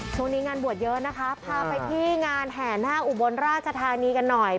ช่วงนี้งานบวชเยอะนะคะพาไปที่งานแห่นาคอุบลราชธานีกันหน่อย